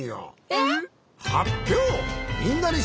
えっ！